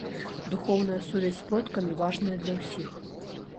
Духоўная сувязь з продкамі важная для ўсіх.